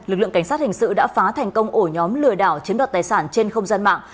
lực lượng cảnh sát hình sự đã phá thành công ổ nhóm lừa đảo chiếm đoạt tài sản trên không gian mạng